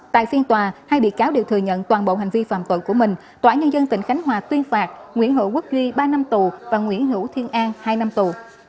tại phiên tòa hai bị cáo đều thừa nhận toàn bộ hành vi phạm tội của mình tòa nhân dân tỉnh khánh hòa tuyên phạt nguyễn hữu quốc duy ba năm tù và nguyễn hữu thiên an hai năm tù